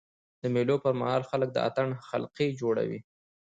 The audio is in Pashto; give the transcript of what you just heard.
د مېلو پر مهال خلک د اتڼ حلقې جوړوي.